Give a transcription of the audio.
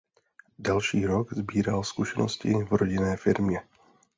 Další rok sbíral zkušenosti v rodinné firmě.